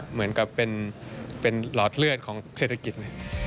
เหมือนกับเป็นหลอดเลือดของเศรษฐกิจ